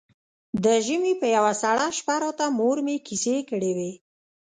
د ژمي په يوه سړه شپه راته مور مې کيسې کړې وې.